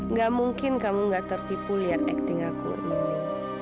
nggak mungkin kamu nggak tertipu lihat akting aku ini